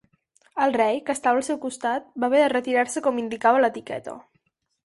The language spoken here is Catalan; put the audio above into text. El rei, que estava al seu costat, va haver de retirar-se com indicava l'etiqueta.